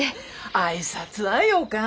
挨拶はよか。